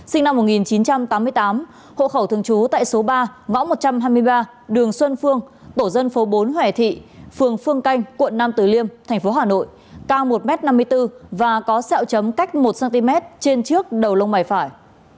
sinh năm một nghìn chín trăm tám mươi tám hộ khẩu thường trú tại số ba ngõ một trăm hai mươi ba đường xuân phương tổ dân phố bốn hòe thị phường phương canh quận nam từ liêm thành phố hà nội cao một m năm mươi bốn và có sẹo chấm cách một cm trên trước đầu lông mày phải